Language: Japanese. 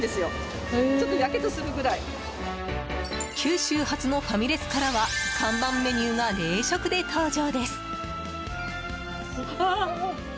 九州発のファミレスからは看板メニューが冷食で登場です！